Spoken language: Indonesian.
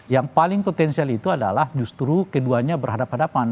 yang paling potensial itu adalah justru keduanya berhadapan hadapan